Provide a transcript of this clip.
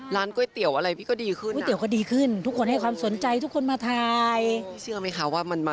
แล้วก็จะได้แบบว่า